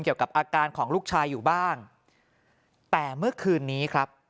เกี่ยวกับอาการของลูกชายอยู่บ้างแต่เมื่อคืนนี้ครับ